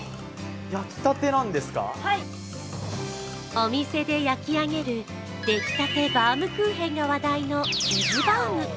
お店で焼き上げる出来たてバウムクーヘンが話題の伊豆バウム。